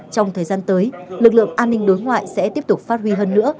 trong thời gian tới lực lượng an ninh đối ngoại sẽ tiếp tục phát huy hơn nữa